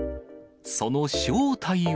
その正体は。